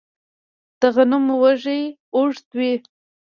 د غنمو وږی اوږد وي.